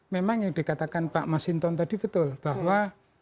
memang yang dikatakan pak mas hinton tadi betul bahwa